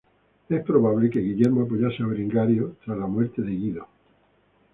Es probable que Guillermo apoyase a Berengario tras la muerte de Guido.